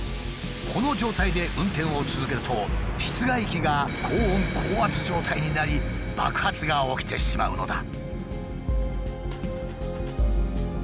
この状態で運転を続けると室外機が高温・高圧状態になり爆発が起きてしまうのだ。